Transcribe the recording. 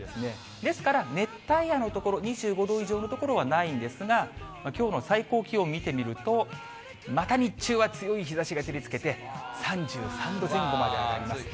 ですから、熱帯夜の所、２５度以上の所はないんですが、きょうの最高気温見てみると、また日中は強い日ざしが照りつけて、３３度前後まで上がります。